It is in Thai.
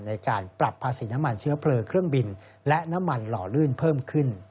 ในการปรับภาษีน้ำมันเชื้อเพลิงเครื่องบินและน้ำมันหล่อลื่นเพิ่มขึ้น